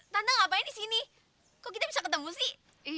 tanda ngapain di sini kok kita bisa ketemu sih